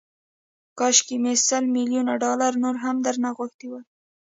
کاشکي مې سل ميليونه ډالر نور هم درنه غوښتي وای.